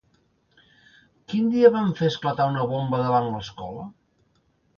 Quin dia van fer esclatar una bomba davant l'escola?